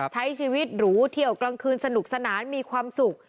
ใช้ชีวิตหรูเที่ยวกลางคืนสนุกสนานมีความสุข